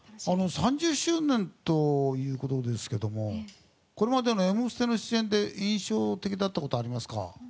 ３０周年ということですけどもこれまでの「Ｍステ」の出演で印象的だったことありますか？